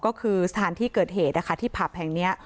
ก็คือสถานที่เกิดเหตุนะคะที่ผับแห่งนี้